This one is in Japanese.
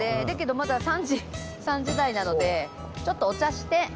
だけどまだ３時３時台なのでちょっとお茶して。